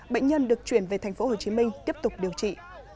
bệnh nhân được chuyển về tp hcm tiếp tục điều trị